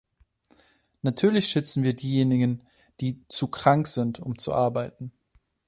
Natürlich schützen wir diejenigen, die „zu krank sind, um zu arbeiten“.